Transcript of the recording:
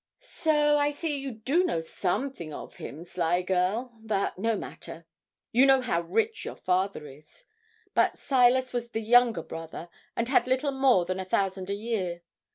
'So I see you do know something of him, sly girl! but no matter. You know how very rich your father is; but Silas was the younger brother, and had little more than a thousand a year.